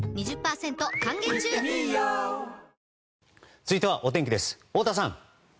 続いては、お天気です太田さん。